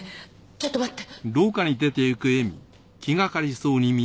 ちょっと待って！